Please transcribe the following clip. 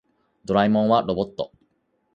ドラえもんはロボット。